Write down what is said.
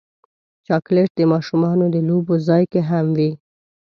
چاکلېټ د ماشومانو د لوبو ځای کې هم وي.